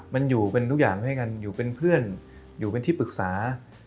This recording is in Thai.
มันอยู่เป็นทุกอย่างให้กันอยู่เป็นเพื่อนอยู่เป็นที่ปรึกษา